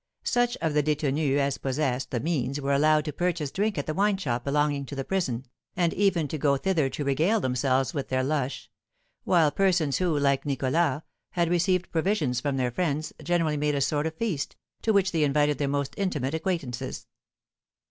Such of the détenus as possessed the means were allowed to purchase drink at the wineshop belonging to the prison, and even to go thither to regale themselves with their lush; while persons who, like Nicholas, had received provisions from their friends, generally made a sort of feast, to which they invited their most intimate acquaintances.